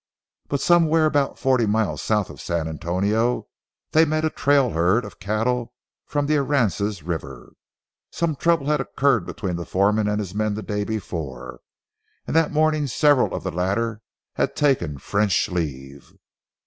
But some where about forty miles south of San Antonio they met a trail herd of cattle from the Aransas River. Some trouble had occurred between the foreman and his men the day before, and that morning several of the latter had taken French leave.